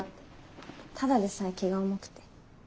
ただでさえ気が重くて。